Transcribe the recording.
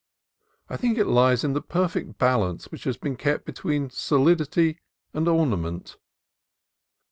I think it lies in the perfect balance which has been kept be tween solidity and ornament.